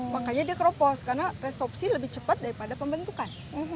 makanya dia keropos karena resopsi lebih cepat daripada pembentukan